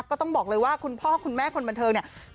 ก็ต้องบอกเลยว่าคุณพ่อคุณแม่คนบันเทิงเนี่ย